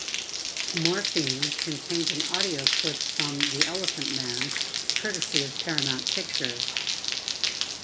"Morphine" contained an audio clip from "The Elephant Man", courtesy of Paramount Pictures.